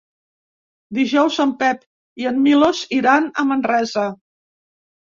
Dijous en Pep i en Milos iran a Manresa.